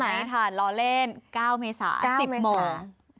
จองไม่ทันล้อเล่น๙เมษา๑๐โมง